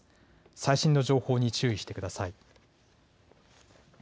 最新の情報に注意してください。